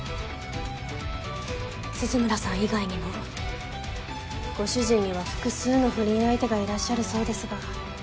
鈴村さん以外にもご主人には複数の不倫相手がいらっしゃるそうですが。